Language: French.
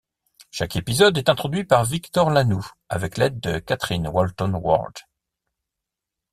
Chaque épisode est introduit par Victor Lanoux avec l’aide de Kathryn Walton-Ward.